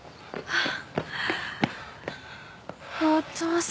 ああ。